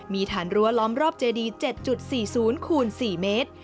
มีฐานรั้วล้อมรอบเจดี๗๔๐คูณ๔เมตร